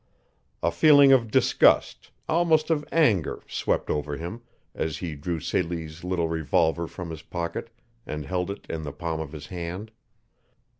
A feeling of disgust, almost of anger, swept over him as he drew Celie's little revolver from his pocket and held it in the palm of his hand.